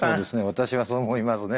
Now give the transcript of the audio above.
私はそう思いますね。